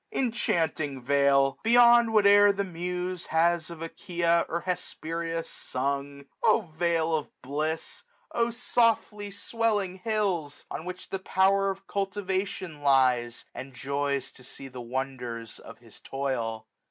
Inchanting vale ! beyond whatever the Muse Has of Achaia or Hesperia sung ! O vale of bliss ! O softly swelling hills ! On which the power of cultivation lies, 1435 And joys to see the wonders of his toil.